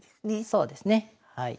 そうですねはい。